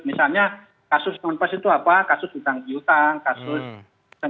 misalnya kasus non pers itu apa kasus hutang hutang kasus sentiasa